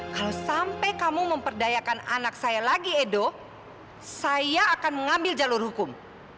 kalau sampai kamu memperdayakan anak saya lagi edo saya akan mengambil jalur hukum